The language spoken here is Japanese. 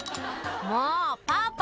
「もうパパ！